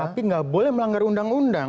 tapi nggak boleh melanggar undang undang